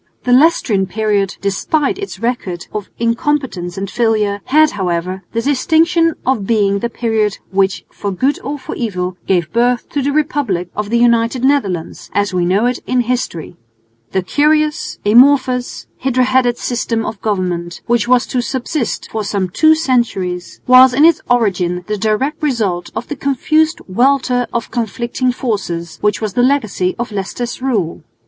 The Leicestrian period, despite its record of incompetence and failure, had however the distinction of being the period which for good or for evil gave birth to the republic of the United Netherlands, as we know it in history. The curious, amorphous, hydra headed system of government, which was to subsist for some two centuries, was in its origin the direct result of the confused welter of conflicting forces, which was the legacy of Leicester's rule.